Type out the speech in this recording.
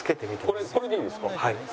これでいいですか？